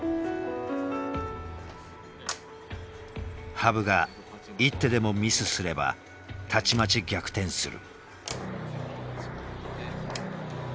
羽生が一手でもミスすればたちまち逆転する。